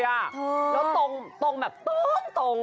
แล้วตงแบบตง